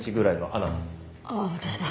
ああ私だ。